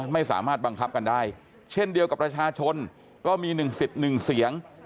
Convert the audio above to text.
ไม่สามารถบังคับกันได้เช่นเดียวกับราชาชนก็มีหนึ่งสิทธิ์หนึ่งเสียง